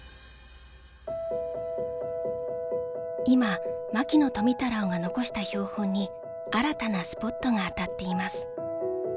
今牧野富太郎が残した標本に新たなスポットが当たっています。